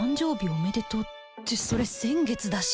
おめでとうってそれ先月だし